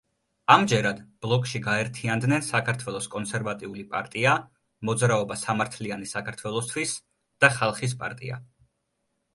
ამჯერად ბლოკში გაერთიანდნენ საქართველოს კონსერვატიული პარტია, მოძრაობა სამართლიანი საქართველოსთვის და ხალხის პარტია.